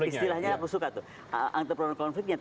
istilahnya aku suka tuh entrepreneur konfliknya